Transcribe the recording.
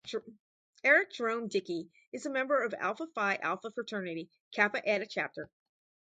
Eric Jerome Dickey is a member of Alpha Phi Alpha fraternity, Kappa Eta Chapter.